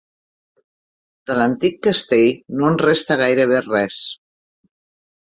De l'antic castell no en resta gairebé res.